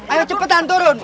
ayo cepetan turun